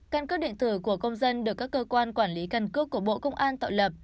căn cước điện tử của công dân được các cơ quan quản lý căn cước của bộ công an tạo lập